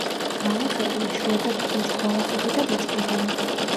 ბალახები, იშვიათად ბუჩქბალახები და ბუჩქებია.